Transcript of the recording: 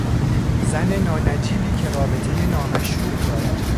زن نانجیبی که رابطهی نامشروع دارد